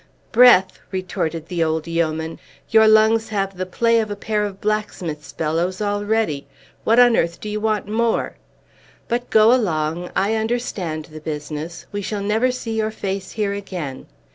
"Breath!" retorted the old yeoman. "Your lungs have the play of a pair of blacksmith's bellows already. What on earth do you want more? But go along! I understand the business. We shall never see your face here again.